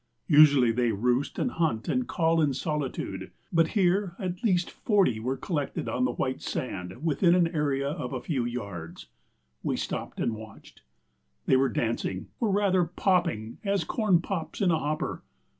Usually they roost and hunt and call in solitude, but here at least forty were collected on the white sand within an area of a few yards. We stopped and watched. They were dancing or, rather, popping, as corn pops in a hopper.